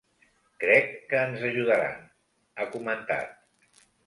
“Crec que ens ajudaran”, ha comentat.